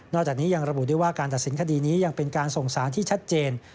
จากนี้ยังระบุด้วยว่าการตัดสินคดีนี้ยังเป็นการส่งสารที่ชัดเจน